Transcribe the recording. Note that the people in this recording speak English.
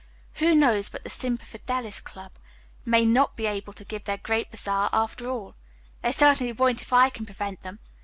"Who knows but that the Semper Fidelis Club may not be able to give their great bazaar after all. They certainly won't if I can prevent them.